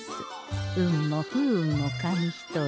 運も不運も紙一重。